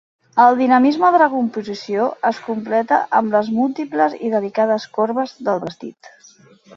El dinamisme de la composició es completa amb les múltiples i delicades corbes del vestit.